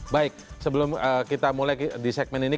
baik sebelum kita mulai di segmen ini